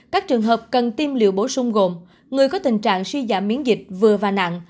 các trường hợp cần tiêm liều bổ sung gồm người có tình trạng suy giảm miễn dịch vừa và nặng